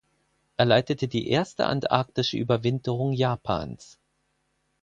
Er leitete die erste antarktische Überwinterung Japans.